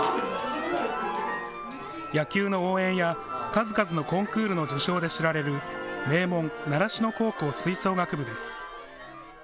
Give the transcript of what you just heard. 野球の応援や数々のコンクールの受賞で知られる名門、習志野高校吹奏楽部です。